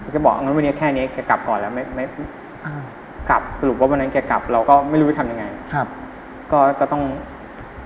แกบอกว่าวันนี้แค่นี้แกกลับก่อนแล้วสรุปว่าวันนั้นแกกลับเราก็ไม่รู้ว่าจะทำยังไง